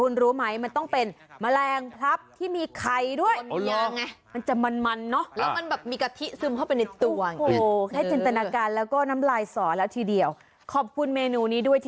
ลองทานกันดู